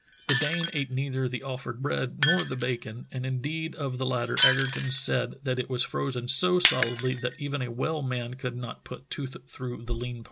The Dane ate neither the offered bread nor the bacon, and indeed of the latter Egerton said that it was frozen so solidly that even a well man could not put tooth through the lean parts.